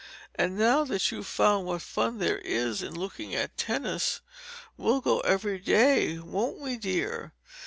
And now that you've found what fun there is in looking at tennis, we'll go every day, won't we, dear?